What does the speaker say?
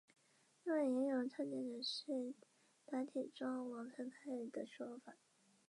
另外也有倡建者是打铁庄王长泰的说法。